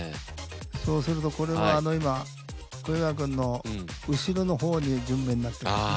そうするとこれは今小祝君の後ろの方に順目になってますね。